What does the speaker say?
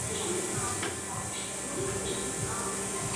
国科大的前身中国科学院研究生院院徽与中国科学院院徽一致。